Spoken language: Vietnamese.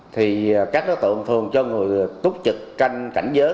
thì các đối tượng thường cho người túc trực canh cảnh giới